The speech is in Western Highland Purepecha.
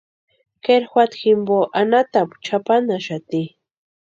Kʼeri juata jimpo anhatapu chʼapanhaxati.